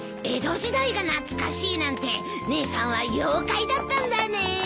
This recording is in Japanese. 江戸時代が懐かしいなんて姉さんは妖怪だったんだね。